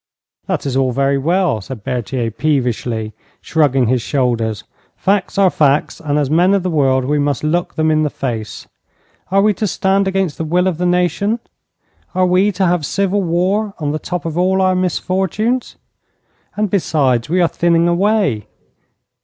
'That is all very well,' said Berthier, peevishly, shrugging his shoulders. 'Facts are facts, and as men of the world, we must look them in the face. Are we to stand against the will of the nation? Are we to have civil war on the top of all our misfortunes? And, besides, we are thinning away.